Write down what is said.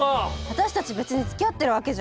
私たち別に付き合ってるわけじゃ。